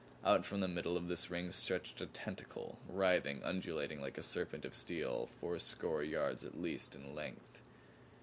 Out from the middle of this ring stretched a tentacle writhing, undulating like a serpent of steel, four score yards at least in length.